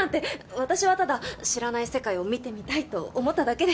私はただ知らない世界を見てみたいと思っただけで。